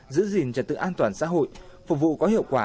giữ gìn trật tự an toàn xã hội phục vụ có hiệu quả